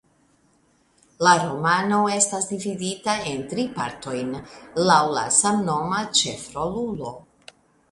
La romano estas dividita en tri partojn laŭ la samnoma ĉefrolulo.